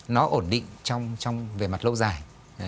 nó ổn định trong về mặt lâu dài